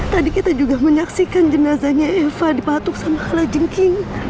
tadi kita juga menyaksikan jenazahnya eva dipatuk sama kalah jengking